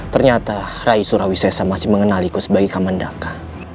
ternyata rai surawi sesa masih mengenaliku sebagai kamandaka